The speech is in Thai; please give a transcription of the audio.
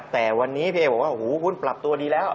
แต่วันนี้เป้บอกว่าโอ้โหหุ้นปรับตัวดีแล้ว